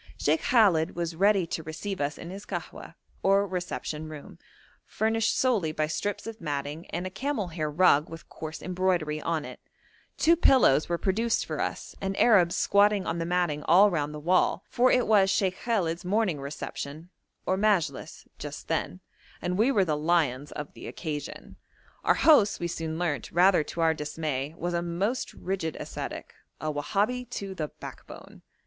Sheikh Khallet was ready to receive us in his kahwa or reception room, furnished solely by strips of matting and a camel hair rug with coarse embroidery on it; two pillows were produced for us, and Arabs squatted on the matting all round the wall, for it was Sheikh Khallet's morning reception, or majilis, just then, and we were the lions of the occasion. Our host, we soon learnt, rather to our dismay, was a most rigid ascetic a Wahabi to the backbone.